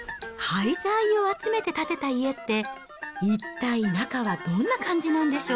廃材を集めて建てた家って、一体、中はどんな感じなんでしょ